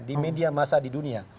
di media masa di dunia